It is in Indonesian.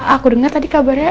aku denger tadi kabarnya